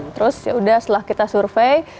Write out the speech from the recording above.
terus yaudah setelah kita survei